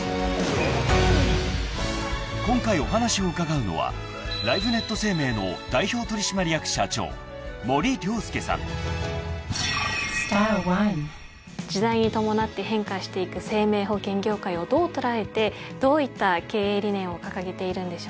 ［今回お話を伺うのは］時代に伴って変化していく生命保険業界をどう捉えてどういった経営理念を掲げているんでしょうか？